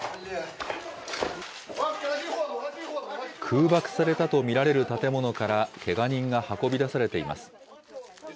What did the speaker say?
空爆されたと見られる建物から、けが人が運び出されています。